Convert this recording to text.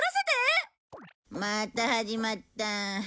また始まった。